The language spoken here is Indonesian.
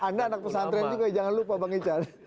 anda anak pesantren juga jangan lupa bang ichard